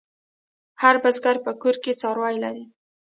هر بزگر په کور کې څاروي لري.